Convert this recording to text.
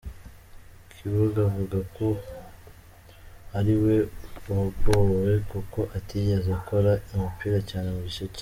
kibuga avuga ko ari we wagowe kuko atigeze akora umupira cyane mu gice cya.